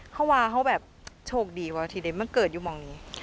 เขาว่าเขาแบบโชคดีว่าที่ได้มาเกิดอยู่มองนี้